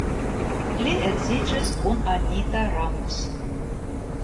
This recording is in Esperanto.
Li edziĝis kun Anita Ramos.